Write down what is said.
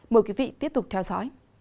mời quý vị tiếp tục theo dõi